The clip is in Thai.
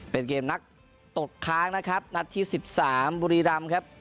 เป็นเกมนักตกค้างนะครับนัดที่๑๓บุรีรำครับ